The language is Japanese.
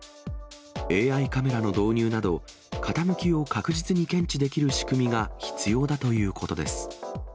ＡＩカメラの導入など、傾きを確実に検知できる仕組みが必要だということです。